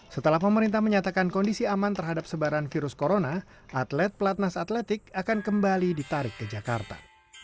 setelah pemerintah menyatakan kondisi aman terhadap sebaran virus corona atlet pelatnas atletik akan kembali ditarik ke jakarta